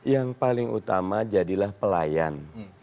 yang paling utama jadilah pelayan